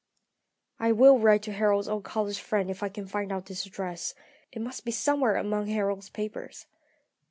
"I will write to Harold's old college friend if I can find out his address. It must be somewhere among Harold's papers.